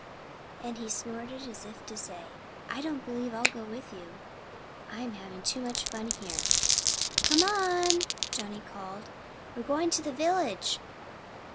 And he snorted, as if to say, "I don't believe I'll go with you. I'm having too much fun here." "Come on!" Johnnie called. "We're going to the village."